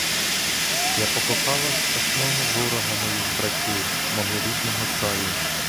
Я покохала страшного ворога моїх братів, мого рідного краю.